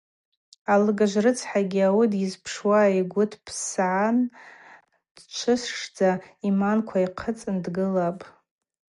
Алыгажв рыцхӏагьи ауи дйызпшуа йгвы тпсгӏан дчвышдза йъиманква йхъыцӏын дгылапӏ.